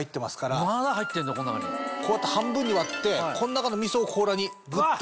こうやって半分に割ってこの中のみそを甲羅にグッと。